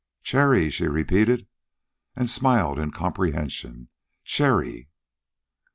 "Cherrie," she repeated, and smiled in comprehension. "Cherrie."